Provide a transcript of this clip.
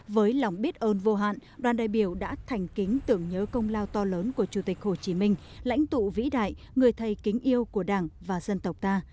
với lòng biết ơn vô hạn đoàn đại biểu đã thành kính tưởng nhớ công lao to lớn của chủ tịch hồ chí minh lãnh tụ vĩ đại người thầy kính yêu của đảng và dân tộc ta